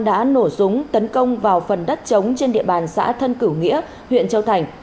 đã nổ súng tấn công vào phần đất chống trên địa bàn xã thân cửu nghĩa huyện châu thành